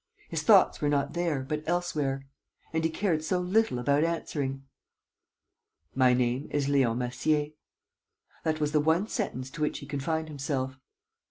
His thoughts were not there, but elsewhere. And he cared so little about answering! "My name is Leon Massier." That was the one sentence to which he confined himself.